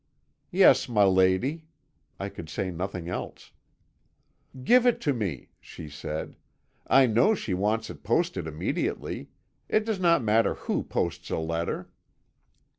"'Yes, my lady,' I could say nothing else. "'Give it to me,' she said, 'I know she wants it posted immediately. It does not matter who posts a letter.'